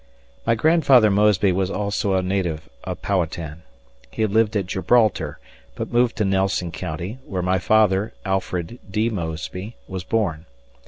My grandfather Mosby was also a native of Powhatan. He lived at Gibraltar, but moved to Nelson County, where my father, Alfred D. Mosby, was born.